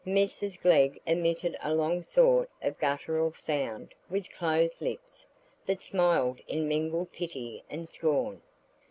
Mrs Glegg emitted a long sort of guttural sound with closed lips, that smiled in mingled pity and scorn.